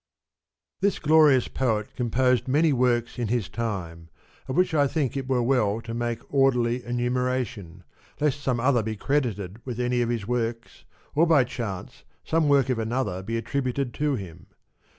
82 THIS glorious poet composed many works in his time, of which I think it were well to make orderly enumeration, lest some other be credited with any of his works, or by chance some work of another be attributed to him.